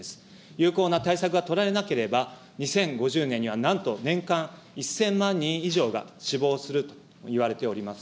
有効な対策が取られなければ、２０５０年には、なんと年間１０００万人以上が死亡するといわれております。